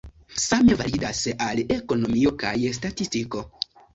Same validas al ekonomio kaj statistiko.